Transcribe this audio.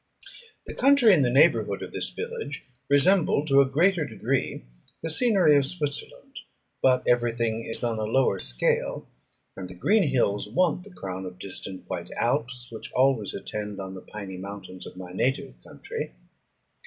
The country in the neighbourhood of this village resembled, to a greater degree, the scenery of Switzerland; but every thing is on a lower scale, and the green hills want the crown of distant white Alps, which always attend on the piny mountains of my native country.